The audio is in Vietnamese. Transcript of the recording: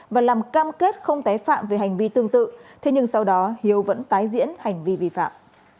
và làm cam kết không tái phạm về hành vi tương tự thế nhưng sau đó hiếu vẫn tái diễn hành vi vi phạm